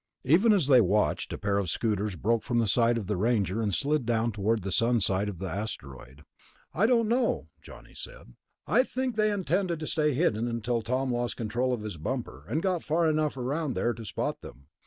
Even as they watched, a pair of scooters broke from the side of the Ranger and slid down toward the sun side of the asteroid. "I don't know," Johnny said. "I think they intended to stay hidden, until Tom lost control of his bumper, and got far enough around there to spot them."